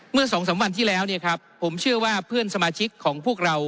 เมื่อสองสามวันที่แล้วเนี่ยครับผมเชื่อว่าเพื่อนสมาชิกของพวกเรา